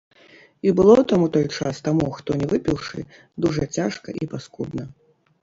І было там у той час таму, хто не выпіўшы, дужа цяжка і паскудна.